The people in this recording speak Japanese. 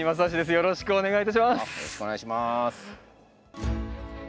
よろしくお願いします。